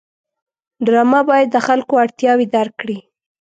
ډرامه باید د خلکو اړتیاوې درک کړي